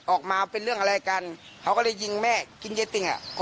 ออกมาเป็นเรื่องอะไรกันเขาก็เลยยิงแม่กินยายติ่งอ่ะ